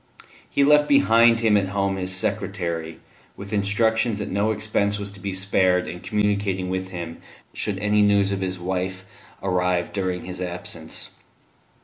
He left behind him at home his secretary, with instructions that no expense was to be spared in communicating with him should any news of his wife arrive during his absence.